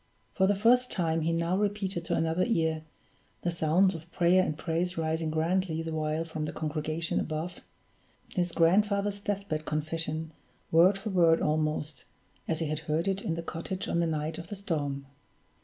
For the first time he now repeated to another ear the sounds of prayer and praise rising grandly the while from the congregation above his grandfather's death bed confession, word for word almost, as he had heard it in the cottage on the night of the storm.